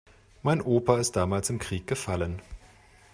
Mein Opa ist damals im Krieg gefallen.